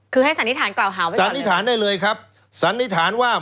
คือให้สันนิษฐานกล่าวหาไว้เลยสันนิษฐานได้เลยครับสันนิษฐานว่า